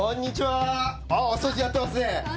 ああお掃除やってますね！